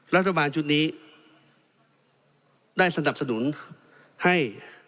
รัฐบาลชุดนี้ได้สนับสนุนให้